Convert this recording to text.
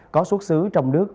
có xuất xứ trong nước